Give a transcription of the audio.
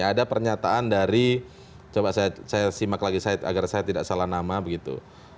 ada pernyataan dari coba saya simak lagi agar saya tidak salah nama begitu